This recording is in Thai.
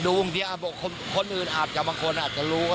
ดูบางทีอาจจำบางคนอาจจะรู้ก็แหละแต่ผมจำไม่ค่อยดี